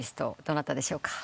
どなたでしょうか？